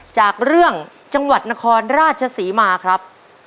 จากเรื่องจังหวัดนครราชศรีมาครับ